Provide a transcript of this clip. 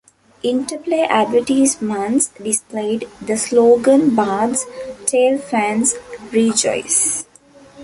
Interplay advertisements displayed the slogan Bard's Tale Fans Rejoice!